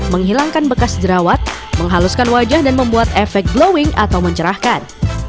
menghilangkan bekas jerawat menghaluskan wajah dan membuat efek glowing atau mencerahkan